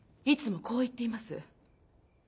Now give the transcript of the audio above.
いつもこう言っています。